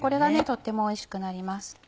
とってもおいしくなります。